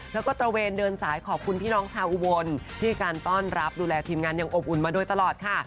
แล้วก็ตระเวนเดินสายขอบคุณพี่น้องชาวอุบลที่ให้การต้อนรับดูแลทีมงานอย่างอบอุ่นมาโดยตลอดค่ะ